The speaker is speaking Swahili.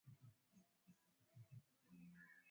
e wanasema vibaya ya rwanda wote ni maadui wa rwanda